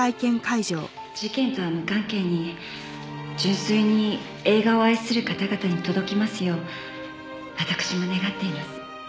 事件とは無関係に純粋に映画を愛する方々に届きますよう私も願っています。